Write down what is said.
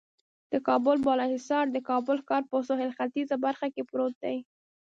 د کابل بالا حصار د کابل ښار په سهیل ختیځه برخه کې پروت دی.